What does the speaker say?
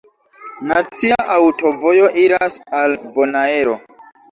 Nacia aŭtovojo iras al Bonaero.